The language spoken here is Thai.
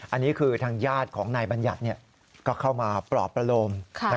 อันนี้คือทางญาติของนายบัญญัติก็เข้ามาปลอบประโลม